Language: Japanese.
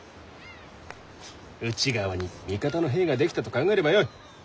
内側に味方の兵が出来たと考えればよい。